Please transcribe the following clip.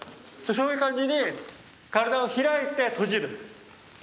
そういう感じに身体を開いて閉じる。